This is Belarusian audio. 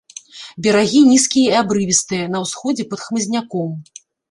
Берагі нізкія і абрывістыя, на ўсходзе пад хмызняком.